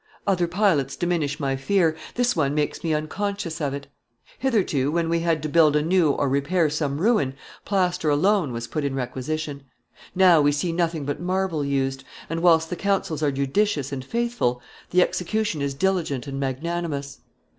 Other pilots diminish my fear, this one makes me unconscious of it. Hitherto, when we had to build anew or repair some ruin, plaster alone was put in requisition. Now we see nothing but marble used; and, whilst the counsels are judicious and faithful, the execution is diligent and magnanimous.